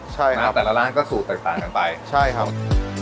ใช่นะแต่ละร้านก็สูตรแตกต่างกันไปใช่ครับ